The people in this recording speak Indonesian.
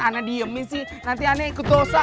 anak diamkan nanti anak ikut dosa